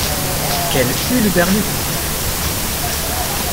Quel huluberlus !